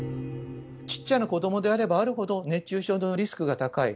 ちっちゃな子どもであればあるほど、熱中症のリスクが高い。